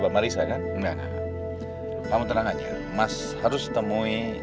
mas harus temui